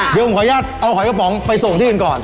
เดี๋ยวผมขออนุญาตเอาหอยกระป๋องไปส่งที่อื่นก่อน